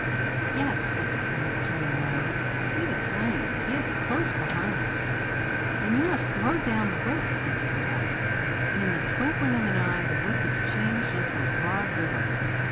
'Yes,' said the prince, turning round, 'I see the flame; he is close behind us.' 'Then you must throw down the whip,' answered the horse.' And in the twinkling of an eye the whip was changed into a broad river.